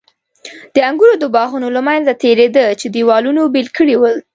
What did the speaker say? د انګورو د باغونو له منځه تېرېده چې دېوالونو بېل کړي ول.